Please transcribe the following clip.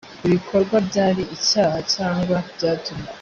ibikorwa byari icyaha cyangwa byatumye